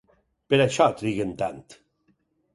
Per això triguen tant.